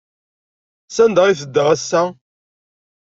Sanda ay tedda ass-a?